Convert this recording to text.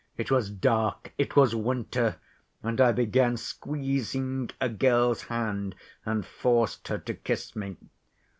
It was dark, it was winter, and I began squeezing a girl's hand, and forced her to kiss me.